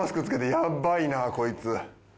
やっばいなこいつ。